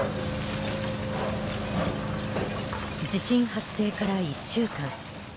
地震発生から１週間。